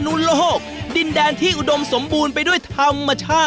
เพราะว่าพี่น้องฮิตตะวันออกมา